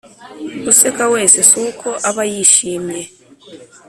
useka wese si uko aba yishimye